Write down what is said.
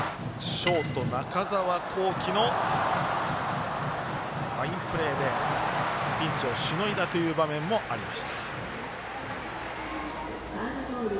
ショート、中澤恒貴のファインプレーでピンチをしのいだ場面もありました。